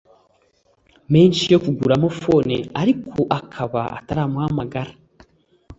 menshi yo kuguramo phone ariko akaba ataramuhamagara